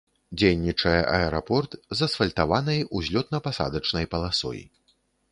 Дзейнічае аэрапорт з асфальтаванай узлётна-пасадачнай паласой.